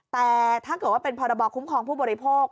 แต่ถ้าเกิดว่าเป็นพรบคุ้มครองผู้บริโภค